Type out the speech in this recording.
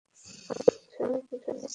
আল-শরীফের দুই ছেলে রয়েছে।